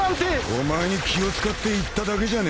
［お前に気を使って言っただけじゃねえのか？］